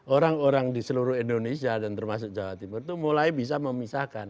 orang orang di seluruh indonesia dan termasuk jawa timur itu mulai bisa memisahkan